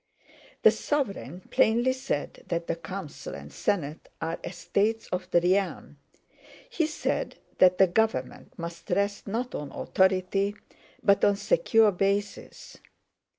"The Sovereign plainly said that the Council and Senate are estates of the realm, he said that the government must rest not on authority but on secure bases.